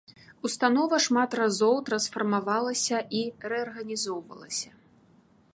Установа шмат разоў трансфармавалася і рэарганізоўвалася.